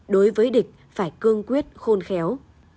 đối với địch phải cương quyết khôn khéo